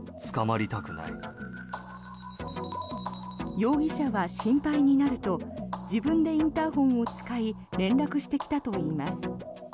容疑者は心配になると自分でインターホンを使い連絡してきたといいます。